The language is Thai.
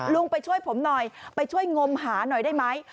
ไปช่วยผมหน่อยไปช่วยงมหาหน่อยได้ไหม